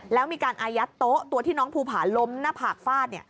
แล้วมีการอายัดโต๊ะตัวที่น้องภูผาล้มหน้าผากฟาด